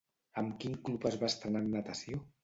Amb quin club es va estrenar en natació?